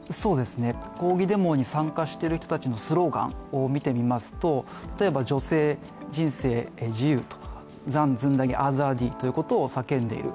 抗議デモに参加している人たちのスローガンを見てみますと、例えば、「女性、人生、自由」ということをさけんでいる。